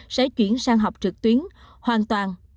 sẽ chuyển sang học trực tuyến hoàn toàn